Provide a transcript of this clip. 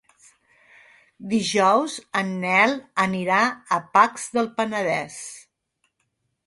Dijous en Nel anirà a Pacs del Penedès.